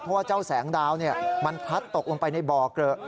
เพราะว่าเจ้าแสงดาวมันพลัดตกลงไปในบ่อเกลอะ